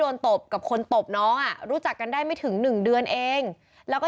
ตบกับคนตบน้องอ่ะรู้จักกันได้ไม่ถึงหนึ่งเดือนเองแล้วก็